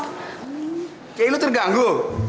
kayaknya lo terganggu